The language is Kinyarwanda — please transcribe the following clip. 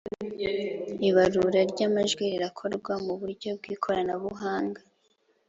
Ibarura ry’amajwi rirakorwa mu buryo bw’ikoranabuhanga